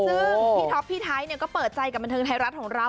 ซึ่งพี่ท็อปพี่ไทยก็เปิดใจกับบันเทิงไทยรัฐของเรา